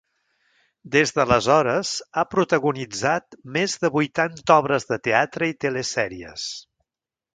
Des d'aleshores ha protagonitzat més de vuitanta obres de teatre i telesèries.